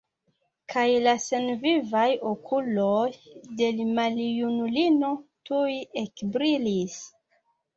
Kaj la senvivaj okuloj de l' maljunulino tuj ekbrilis.